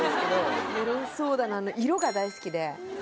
色が大好きで。